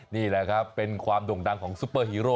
นี่แหละครับเป็นความโด่งดังของซุปเปอร์ฮีโร่